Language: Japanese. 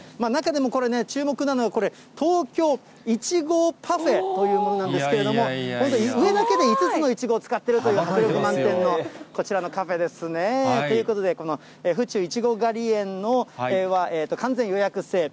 中でも、これね、注目なのがこれ、東京いちごパフェというものなんですけれども、本当、上だけで５つのいちごを使ってるという、迫力満点のこちらのパフェですね。ということで、この府中いちご狩り園は完全予約制。